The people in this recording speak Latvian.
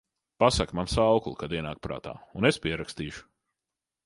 Pasaki man saukli, kad ienāk prātā, un es pierakstīšu…